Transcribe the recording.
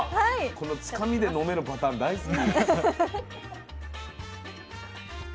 このつかみで飲めるパターン大好き。